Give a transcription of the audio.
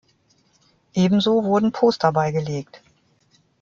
Ebenso wurden Poster beigelegt.